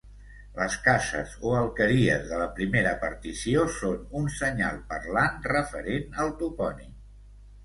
Les cases o alqueries de la primera partició són un senyal parlant referent al topònim.